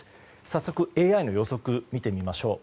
早速ＡＩの予測を見てみましょう。